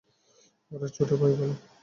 আরে ছোট, ভালো?